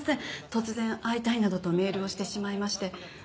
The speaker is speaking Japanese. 突然会いたいなどとメールをしてしまいまして。